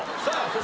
さあ